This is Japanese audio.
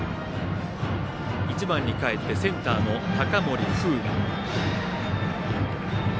１番にかえってセンターの高森風我。